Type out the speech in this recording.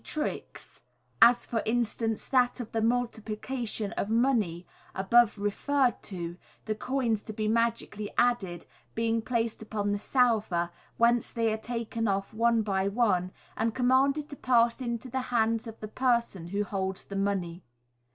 tricks, as, for instance, that of the Multiplication of Money, above referred to, the coins to be magically added being placed upon the salver, whence they are taken off one by one, and commanded to pass into the hands of the person who holds the money.